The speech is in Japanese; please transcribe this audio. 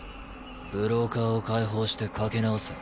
ブローカーを解放して掛け直せ。